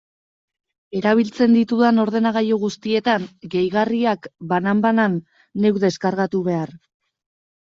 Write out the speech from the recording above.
Erabiltzen ditudan ordenagailu guztietan gehigarriak, banan-banan, neuk deskargatu behar.